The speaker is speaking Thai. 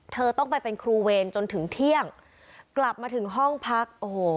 เธอต้องไปเป็นครูเวรจนถึงเที่ยงกลับมาถึงห้องพักโอ้โห